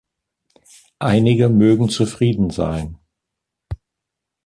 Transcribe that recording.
Einige mögen zufrieden sein.